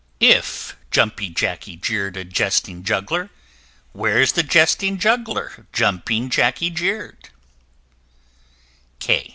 If Jumping Jackey jeer'd a Jesting Juggler, Where's the Jesting Juggler Jumping Jackey jeer'd?